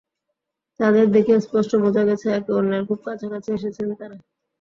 তাঁদের দেখে স্পষ্ট বোঝা গেছে, একে অন্যের খুব কাছাকাছি এসেছেন তাঁরা।